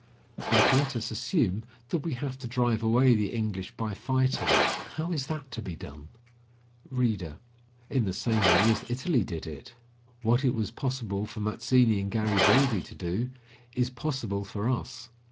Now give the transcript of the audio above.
But let us assume that we have to drive away the English by fighting; how is that to be done? READER: In the same way as Italy did it. What it was possible for Mazzini and Garibaldi to do, is possible for us.